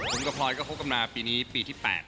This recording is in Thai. ผมกับพลอยก็คบกันมาปีนี้ปีที่๘